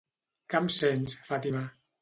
Que em sents, Fàtima?!